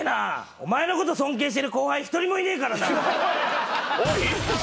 お前のこと尊敬している後輩１人もいねえからな！